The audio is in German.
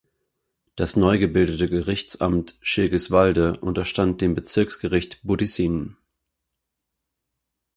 Das neu gebildete Gerichtsamt Schirgiswalde unterstand dem Bezirksgericht Budissin.